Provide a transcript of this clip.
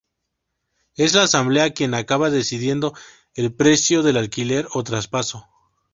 Es la asamblea quien acaba decidiendo el precio del alquiler o traspaso.